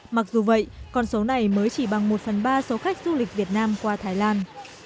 mặc dù vậy con số này mới chỉ bằng một phần ba số khách du lịch việt nam qua thái lan